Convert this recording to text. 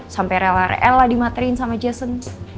sampai rela rela dimaterin sama jason